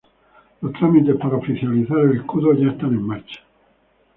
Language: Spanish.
Los trámites para oficializar el escudo ya están en marcha.